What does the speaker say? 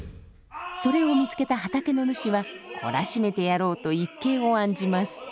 それを見つけた畑の主はこらしめてやろうと一計を案じます。